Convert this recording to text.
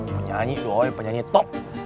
penyanyi doi penyanyi top